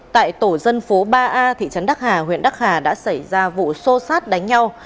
tại tổ dân phố ba a thị trấn đắc hà huyện đắc hà đã xảy ra vụ xô xát đánh nhau